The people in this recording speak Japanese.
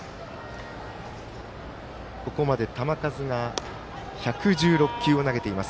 ここまで球数が１１６球を投げています